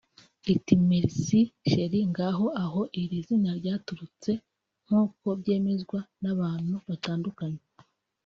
iti“Merci Cheri” ngaho aho iri zina ryaturutse nk’uko byemezwa n’abantu batandukanye